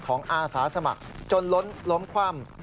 ของอาศาสมัครจนรถล้มคว่ำ